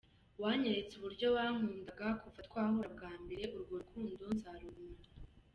Wanyeretse uburyo wankundaga kuva twahura bwa mbere, urwo rukundo nzarugumana.